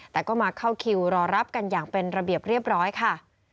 แต่ก็มาเข้าคิวรอรับกันอย่างเป็นระเบียบเรียบร้อยค่ะ